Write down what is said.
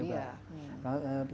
setahun yang lalu malah